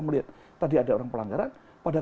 melihat tadi ada orang pelanggaran pada